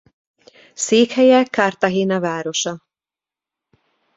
Székhelye Cartagena városa.